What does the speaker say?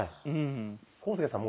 浩介さん